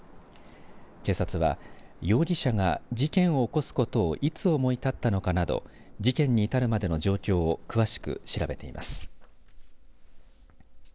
警察は容疑者が事件を起こすことをいつ思い立ったのかなど事件に至るまでの状況を詳しく調べています。